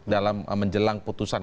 dalam menjelang putusan